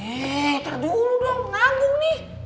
eh terdulu dong ngagung nih